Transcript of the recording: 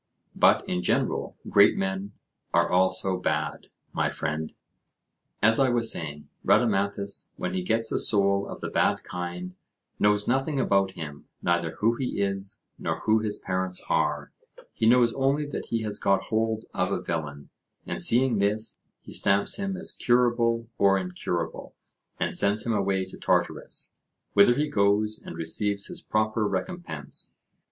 But, in general, great men are also bad, my friend. As I was saying, Rhadamanthus, when he gets a soul of the bad kind, knows nothing about him, neither who he is, nor who his parents are; he knows only that he has got hold of a villain; and seeing this, he stamps him as curable or incurable, and sends him away to Tartarus, whither he goes and receives his proper recompense.